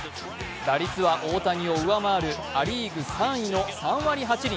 打率は大谷を上回るア・リーグ３位の３割８厘。